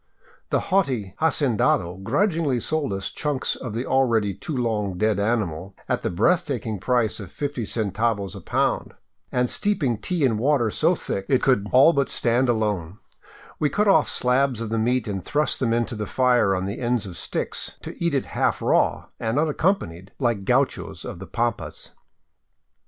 The haughty hacendado grudgingly sold us chunks of the already too long dead animal at the breath taking price o^ fifty centavos a pound, and steeping tea in water so thick it could 539 VAGABONDING DOWN THE ANDES all but stand alone, we cut off slabs of the meat and thrust them into the fire on the ends of sticks, to eat it half raw and unaccompanied, like gauchos of the pampas.